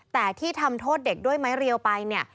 แต่ที่ทำโทษเด็กด้วยไม้เรียวไปเนี่ย